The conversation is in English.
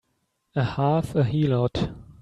A half a heelot!